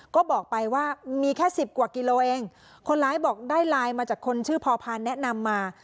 ก็บอกไปว่ามีแค่สิบกว่ากิโลเองคนร้ายบอกได้ไลน์มาจากคนชื่อพอพาแนะนำมา